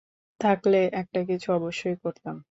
থাকলে একটা কিছু অবশ্যই করতাম।